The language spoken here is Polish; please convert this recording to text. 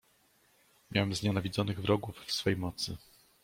"Miałem znienawidzonych wrogów w swej mocy."